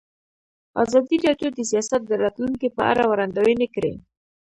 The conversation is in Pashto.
ازادي راډیو د سیاست د راتلونکې په اړه وړاندوینې کړې.